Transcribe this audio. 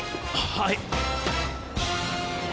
はい。